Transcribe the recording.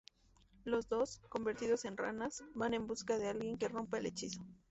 Los dos, convertidos en ranas, van en busca de alguien que rompa el hechizo.